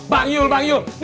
bang yul bang yul